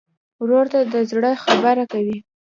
ورور ته د زړه خبره کوې.